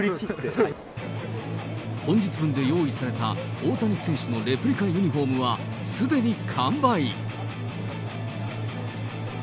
本日分で用意された大谷選手のレプリカユニホームはすでに完売。